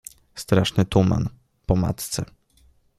Straszny tuman. Po matce.